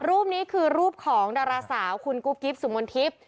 รูปนี้คือรูปของดาราสาวคุณกูกิฟต์สุมณทิศ